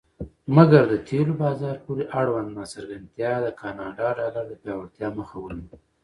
مګر د تیلو بازار پورې اړوند ناڅرګندتیا د کاناډا ډالر د پیاوړتیا مخه ونیوله.